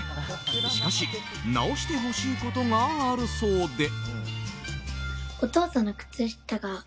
しかし、直してほしいことがあるそうで。